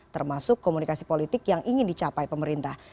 termasuk komunikasi politik yang ingin dicapai pemerintah